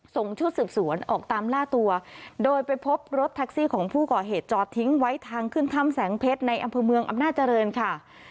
ส่งชุดสืบสวนออกตามล่าตัวโดยไปพบรถแท็กซี่ของผู้ก่อเหตุจอดทิ้งไว้ทางขึ้นถ้ำแสงเพชรในอำเภอเมืองอำนาจริงค่ะ